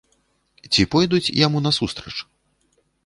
Ці пойдуць яму насустрач?